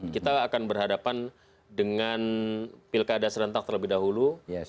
kita akan berhadapan dengan pilkada serentak terlebih dahulu